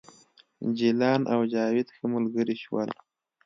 جلان او جاوید ښه ملګري شول